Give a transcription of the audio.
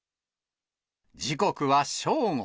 時刻は正午。